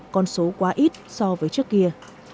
con số quá ít so với trước kia